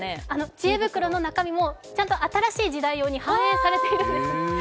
知恵袋の中身も新しい時代用に反映されているんです。